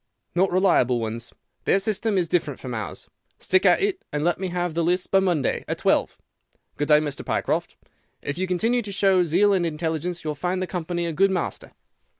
"'Not reliable ones. Their system is different from ours. Stick at it, and let me have the lists by Monday, at twelve. Good day, Mr. Pycroft. If you continue to show zeal and intelligence you will find the company a good master.